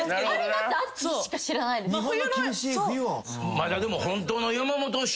まだでも。